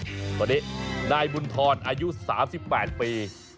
คนนี้นายบุญธรอายุ๓๘ปี